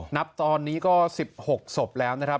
ณตอนนี้ก็๑๖ศพแล้วนะครับ